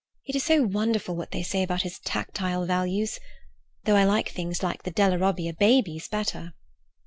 "It is so wonderful what they say about his tactile values. Though I like things like the Della Robbia babies better."